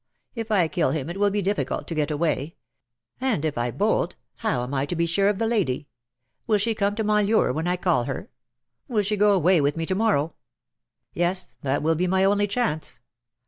If I kill him it will be difficult to get away — and if I bolt, how am I to be sure of the lady ? Will she come to my lure when I call her ? Will she go away with me, to morrow ? Yes, that will be my only chance.